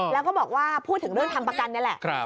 แล้วก็บอกว่าพูดถึงเรื่องทำประกันนี่แหละ